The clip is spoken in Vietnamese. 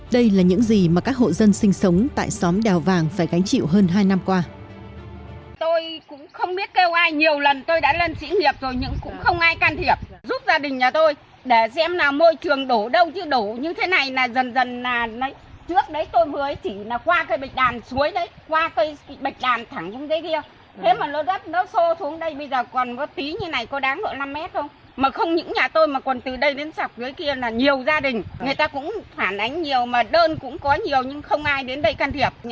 đây là những gì mà các hộ dân sinh sống tại xóm đào vàng phải gánh chịu hơn hai năm qua